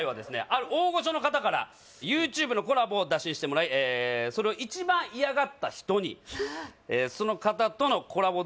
ある大御所の方からＹｏｕＴｕｂｅのコラボを打診してもらいそれをその方とのコラボ